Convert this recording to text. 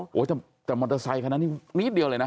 โหแต่มอเตอร์ไซค์ขนาดนี้นิดเดียวเลยนะ